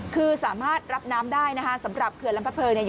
คือสามารถรับน้ำได้นะคะสำหรับเขื่อนลำพะเพิงเนี่ย